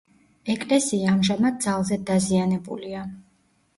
ეკლესია ამჟამად ძალზედ დაზიანებულია.